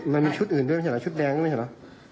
มันมีชุดอื่นด้วยไม่ใช่เหรอชุดแดงด้วยใช่ไหม